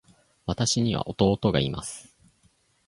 私には弟がいます。